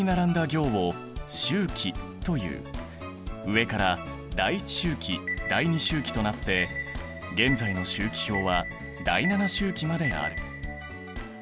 上から第１周期第２周期となって現在の周期表は第７周期まである。